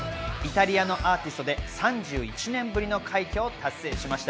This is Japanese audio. イタリアのアーティストで３１年ぶりの快挙を達成しました。